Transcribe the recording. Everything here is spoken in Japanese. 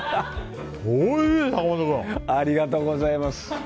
ありがとうございます。